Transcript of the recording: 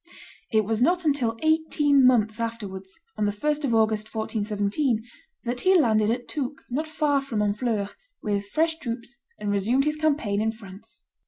It was not until eighteen months afterwards, on the 1st of August, 1417, that he landed at Touques, not far from Honfleur, with fresh troops, and resumed his campaign in France.